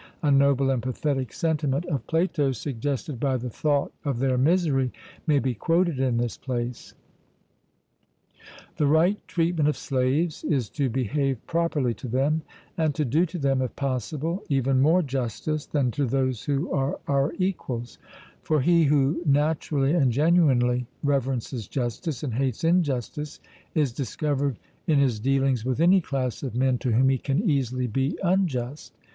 A noble and pathetic sentiment of Plato, suggested by the thought of their misery, may be quoted in this place: 'The right treatment of slaves is to behave properly to them, and to do to them, if possible, even more justice than to those who are our equals; for he who naturally and genuinely reverences justice, and hates injustice, is discovered in his dealings with any class of men to whom he can easily be unjust.